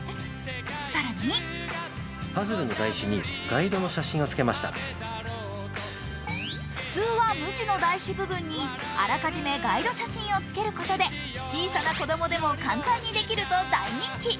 更に普通は無地の台紙部分にあらかじめガイドをつけることにより小さな子供でも簡単にできると大人気。